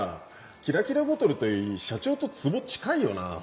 キラキラボトルといい社長とツボ近いよな。